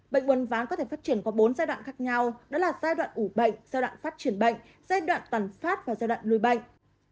bệnh uốn ván có thể phát triển qua bốn giai đoạn khác nhau đó là giai đoạn ủ bệnh giai đoạn phát triển bệnh giai đoạn tàn phát và giai đoạn lùi bệnh